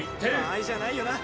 場合じゃないよな！